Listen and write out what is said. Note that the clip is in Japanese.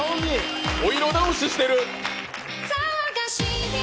お色直ししてる。